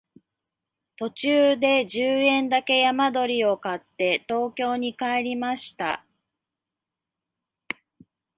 途中で十円だけ山鳥を買って東京に帰りました